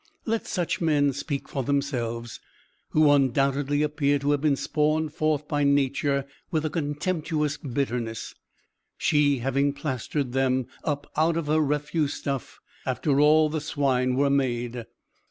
Let such men speak for themselves, who undoubtedly appear to have been spawned forth by Nature with a contemptuous bitterness; she having plastered them up out of her refuse stuff, after all the swine were made.